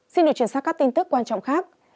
xin được truyền sát các tin tức quan trọng khác